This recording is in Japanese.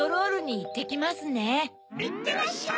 いってらっしゃい！